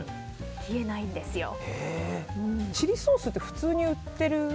チリソースって普通に売ってる。